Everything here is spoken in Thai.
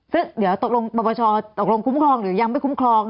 ซึ่งเดี๋ยวตกลงปปชตกลงคุ้มครองหรือยังไม่คุ้มครอง